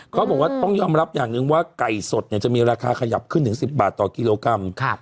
เขาบอกว่าต้องยอมรับอย่างหนึ่งว่าไก่สดจะมีราคาขยับขึ้นถึง๑๐บาทต่อกิโลกรัม